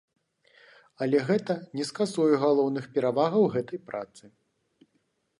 Але гэта не скасуе галоўных перавагаў гэтай працы.